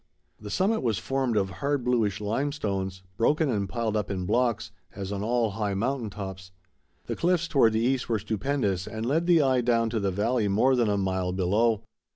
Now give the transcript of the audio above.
The summit was formed of hard bluish limestones, broken and piled up in blocks, as on all high mountain tops. The cliffs toward the east were stupendous and led the eye down to the valley more than a mile below.